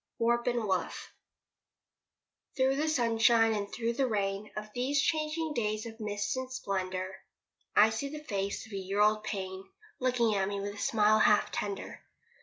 WARP AND WOOF Through the sunshine, and through the rain Of these changing days of mist and splendour, I see the face of a year old pain Looking at me with a smile half tender.